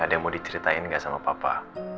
ada yang mau diceritain nggak sama papa